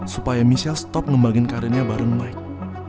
supaya michelle stop ngebagin karirnya bareng mike